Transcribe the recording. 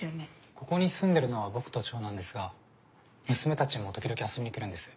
ここに住んでるのは僕と長男ですが娘たちも時々遊びに来るんです。